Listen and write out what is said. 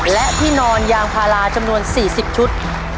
และที่นอนยางพาราจำนวน๔๐ชุด